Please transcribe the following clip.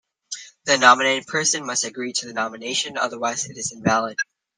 The nominated person must agree to the nomination, otherwise it is invalid.